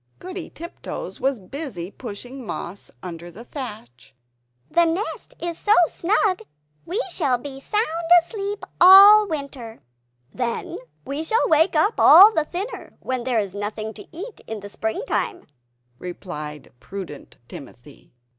Goody Tiptoes was busy pushing moss under the thatch "The nest is so snug, we shall be sound asleep all winter." "Then we shall wake up all the thinner, when there is nothing to eat in spring time," replied prudent Timothy.